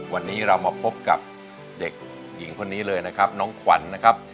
วันนี้เรามาพบกับเด็กหญิงคนนี้เลยนะครับน้องขวัญนะครับ